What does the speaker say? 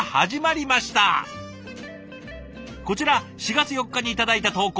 こちら４月４日に頂いた投稿。